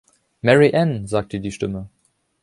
Mary Ann!“, sagte die Stimme.